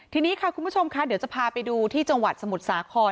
ทีนี้ค่ะคุณผู้ชมค่ะเดี๋ยวจะพาไปดูที่จังหวัดสมุทรสาคร